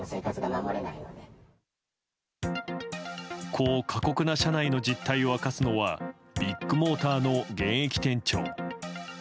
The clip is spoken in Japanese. こう過酷な社内の実態を明かすのはビッグモーターの現役店長。